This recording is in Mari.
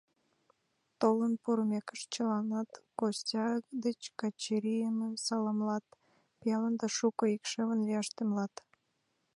Толын пурымекышт чыланат Костя ден Качырийым саламлат, пиалан да шуко икшыван лияш темлат.